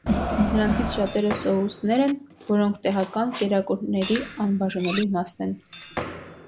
Նրանցից շատերը սոուսներ են, որոնք տեղական կերակուրների անբաժանելի մասն են։